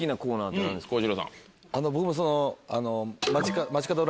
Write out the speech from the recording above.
僕もその。